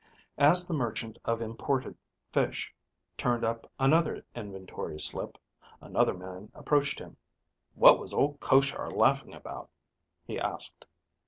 As the merchant of imported fish turned up another inventory slip, another man approached him. "What was old Koshar laughing about?" he asked.